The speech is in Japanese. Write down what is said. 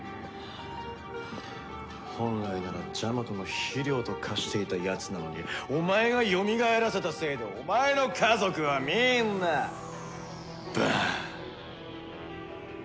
本来ならジャマトの肥料と化していたやつなのにお前がよみがえらせたせいでお前の家族はみんなバーン！